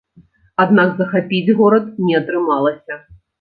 Аднак захапіць горад не атрымалася.